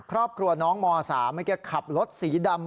ครอบครัวน้องม๓คือขับรถสีดำ